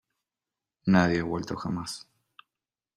Nadie ha vuelto jamás.